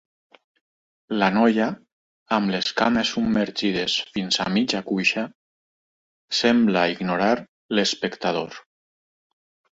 La noia, amb les cames submergides fins a mitja cuixa, sembla ignorar l'espectador.